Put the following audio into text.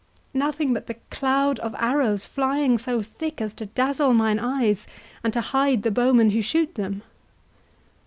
"Nothing but the cloud of arrows flying so thick as to dazzle mine eyes, and to hide the bowmen who shoot them."